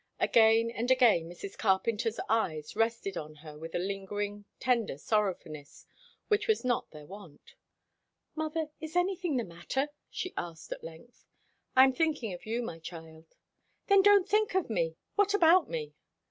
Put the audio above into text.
Again and again Mrs. Carpenter's eyes rested on her with a lingering, tender sorrowfulness, which was not their wont. "Mother, is anything the matter?" she asked at length. "I am thinking of you, my child." "Then don't think of me! What about me?"